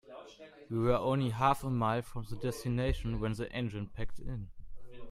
We were only half a mile from the destination when the engine packed in.